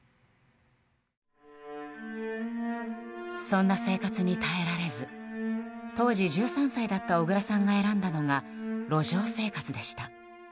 そんな生活に耐えられず当時１３歳だった小倉さんが選んだのが路上生活でした。